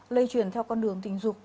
lây truyền theo con đường tình dục